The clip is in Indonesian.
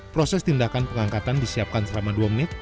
proses tindakan pengangkatan disiapkan selama dua menit